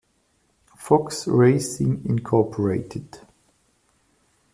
Fox Racing Inc.